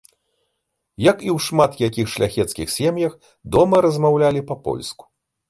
Як і ў шмат якіх шляхецкіх сем'ях, дома размаўлялі па-польску.